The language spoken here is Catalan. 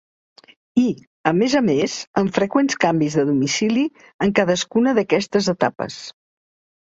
I, a més a més, amb freqüents canvis de domicili en cadascuna d'aquestes etapes.